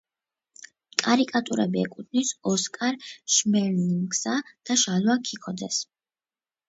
კარიკატურები ეკუთვნით ოსკარ შმერლინგსა და შალვა ქიქოძეს.